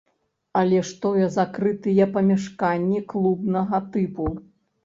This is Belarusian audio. Але ж тое закрытыя памяшканні клубнага тыпу!